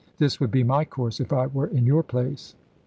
This would be my course, if I were in your place."